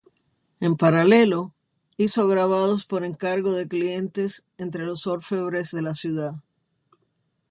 En paralelo, hizo grabados por encargo de clientes entre los orfebres de la ciudad.